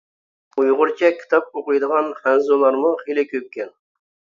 ئۇيغۇرچە كىتاب ئوقۇيدىغان خەنزۇلارمۇ خېلى كۆپكەن.